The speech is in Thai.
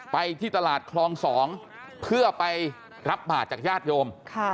ไปที่ตลาดคลอง๒เพื่อไปรับบาทจากญาติโยม